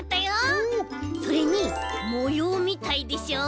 それにもようみたいでしょ？